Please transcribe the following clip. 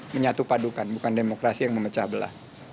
menyatu padukan bukan demokrasi yang memecah belah